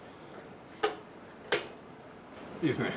いいですね。